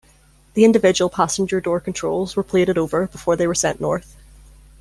The individual passenger door controls were plated over before they were sent north.